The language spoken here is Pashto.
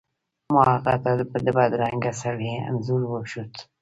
ما هغه ته د بدرنګه سړي انځور وښود.